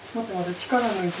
力抜いて。